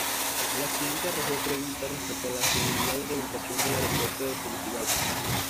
El accidente arrojó preguntas respecto a la seguridad y reubicación del aeropuerto de Tegucigalpa.